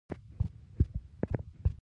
پرمختګ او سمون راولي په پښتو ژبه.